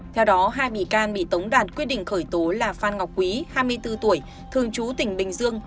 theo đó hai bị can bị tống đạt quyết định khởi tố là phan ngọc quý hai mươi bốn tuổi thường trú tỉnh bình dương